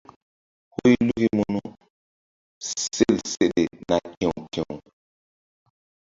Huy luki munu sel seɗe na ki̧w ki̧w.